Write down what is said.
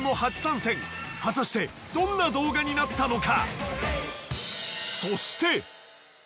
果たしてどんな動画になったのか？